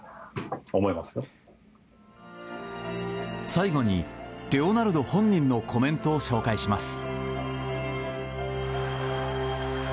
最後に、レオナルド本人のコメントを紹介します。